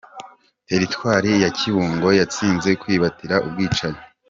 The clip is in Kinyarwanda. Teritwari ya Kibungo yatinze kwitabira ubwicanyi.